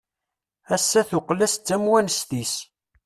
Ass-a teqqel-as d tamwanest-is.